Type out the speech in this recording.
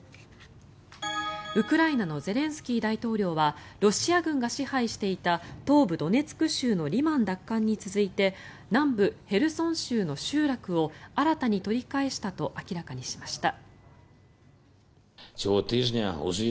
ウクライナのゼレンスキー大統領はロシア軍が支配していた東部ドネツク州のリマン奪還に続いて南部ヘルソン州の集落を新たに取り返したと明らかにしました。